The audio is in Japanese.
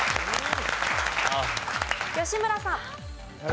吉村さん。